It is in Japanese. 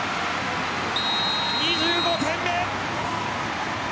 ２５点目。